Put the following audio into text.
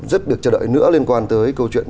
rất được chờ đợi nữa liên quan tới câu chuyện